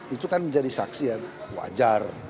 itu kan menjadi saksi ya wajar